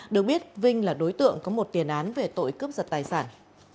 được biết vinh là đối tượng có một tiền án về tội cướp giật tài sản